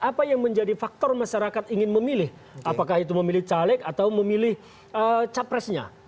apa yang menjadi faktor masyarakat ingin memilih apakah itu memilih caleg atau memilih capresnya